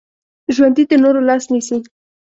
ژوندي د نورو لاس نیسي